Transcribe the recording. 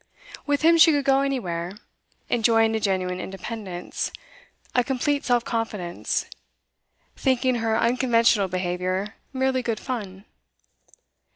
With him she could go anywhere, enjoying a genuine independence, a complete self confidence, thinking her unconventional behaviour merely good fun.